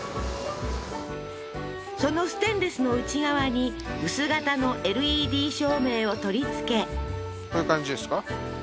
そのステンレスの内側に薄型のＬＥＤ照明を取り付けこういう感じですか？